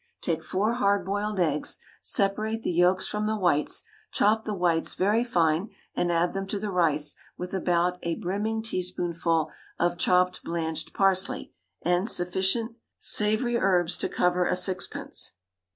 Take four hard boiled eggs, separate the yolks from the whites, chop the whites very fine, and add them to the rice with about a brimming teaspoonful of chopped blanched parsley and sufficient savoury herbs to cover a sixpence.